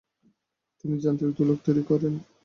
তিনি যান্ত্রিক দোলক তৈরি করেন।